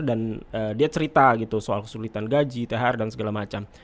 dan dia cerita gitu soal kesulitan gaji thr dan segala macam